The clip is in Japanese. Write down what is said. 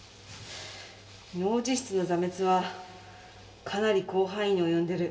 脳実質の挫滅はかなり広範囲に及んでる。